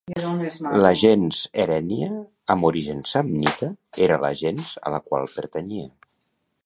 La gens Herènnia, amb origen samnita, era la gens a la qual pertanyia.